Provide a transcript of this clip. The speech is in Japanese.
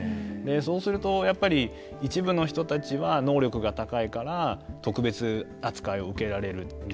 そうすると、一部の人たちは能力が高いから特別扱いを受けられるという。